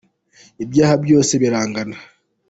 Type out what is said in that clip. Ibyaha byose birangana.